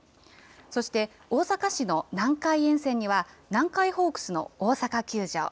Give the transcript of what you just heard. そして大阪市の南海沿線には、南海ホークスの大阪球場。